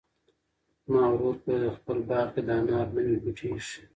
زما ورور په خپل باغ کې د انار نوي بوټي ایښي.